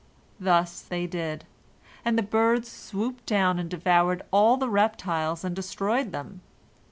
Thus they did, and the birds swooped down and devoured all the reptiles and destroyed them.